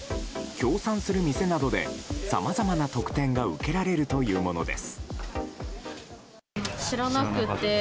協賛する店などでさまざまな特典が受けられるというものです。